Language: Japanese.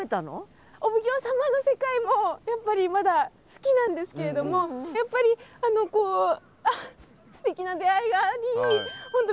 お奉行様の世界もやっぱりまだ好きなんですけれどもやっぱりこうすてきな出会いがあり本当